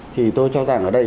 thì tôi cho rằng ở đây